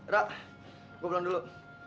rek gue pulang dulu